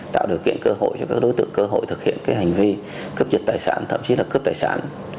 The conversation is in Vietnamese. tạo điều kiện cơ hội cho các đối tượng cơ hội thực hiện hành vi cướp giật tài sản thậm chí là cướp tài sản